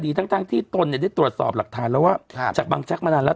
ทั้งที่ตนเนี่ยได้ตรวจสอบหลักฐานแล้วว่าจากบางแจ๊กมานานแล้ว